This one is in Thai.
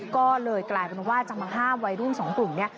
ก็เลยกลายเป็นว่าจะมาห้ามวัยรุ่นสองกลุ่มนี้